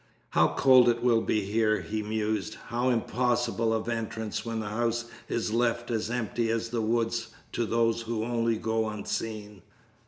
"How cold it will be here," he mused, "how impossible of entrance when the house is left as empty as the woods to those who only go unseen!"